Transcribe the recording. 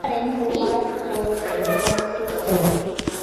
তোমার খোঁজ এখনো শেষ হয়নি।